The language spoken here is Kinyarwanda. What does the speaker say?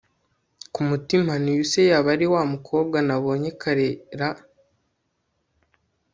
kumutima nti uyu se yaba ari wamukobwa nabonye kare ra